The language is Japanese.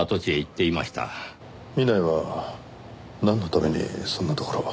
南井はなんのためにそんな所を。